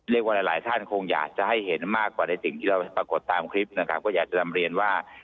หลายหลายท่านคงอยากจะให้เห็นมากกว่าในสิ่งที่เราปรากฏตามคลิปนะครับก็อยากจะนำเรียนว่า